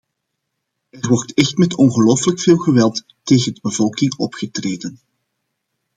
Er wordt echt met ongelooflijk veel geweld tegen de bevolking opgetreden.